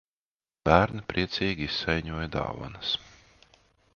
Bērni priecīgi izsaiņoja dāvanas.